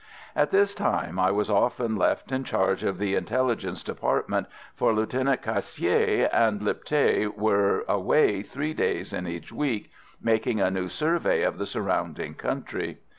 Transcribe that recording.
At this time I was often left in charge of the Intelligence Department, for Lieutenant Cassier and Lipthay were away three days in each week, making a new survey of the surrounding country.